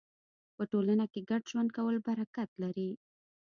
په ټولنه کې ګډ ژوند کول برکت لري.